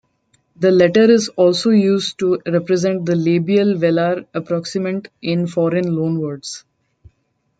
The letter is also used to represent the labial-velar approximant in foreign loanwords.